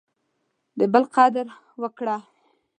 د بل قدر وکړه.